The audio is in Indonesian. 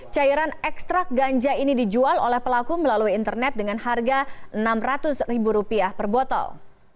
cairan ekstrak ganja ini dijual oleh pelaku melalui internet dengan harga rp enam ratus per botol